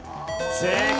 正解！